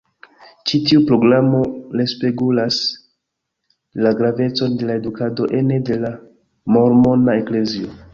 Ĉi tiu programo respegulas la gravecon de la edukado ene de la Mormona Eklezio.